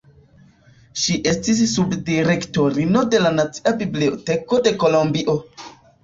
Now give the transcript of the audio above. Ŝi estis sub-direktorino de la Nacia Biblioteko de Kolombio.